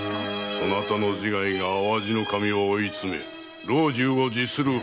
そなたの自害が淡路守を追い詰め老中を辞する羽目になる。